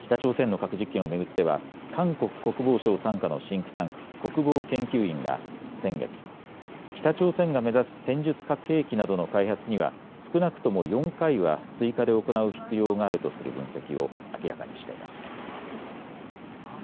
北朝鮮の核実験を巡っては韓国国防省傘下のシンクタンク、国防研究院が先月、北朝鮮が目指す戦術核兵器などの開発には少なくとも４回は追加で行う必要があるとする分析を明らかにしています。